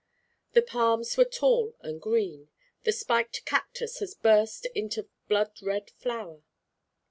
The palms were tall and green. The spiked cactus had burst into blood red flower.